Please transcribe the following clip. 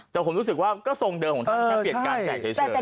แต่ผมรู้สึกว่าก็ทรงเดิมของท่านแค่เปลี่ยนการแจกเฉย